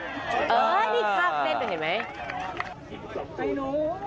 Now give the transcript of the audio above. เออนี่ครับเห็นไหม